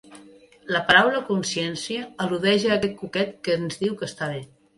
La paraula consciència al·ludeix a aquest cuquet que ens diu què està bé.